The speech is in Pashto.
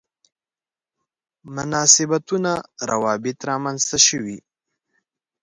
مناسبتونه روابط رامنځته شوي.